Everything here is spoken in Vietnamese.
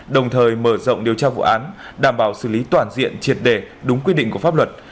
đồng thời mở rộng điều tra vụ án đảm bảo xử lý toàn diện triệt đề đúng quy định của pháp luật